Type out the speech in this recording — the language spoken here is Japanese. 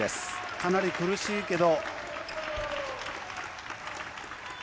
かなり苦しいけど。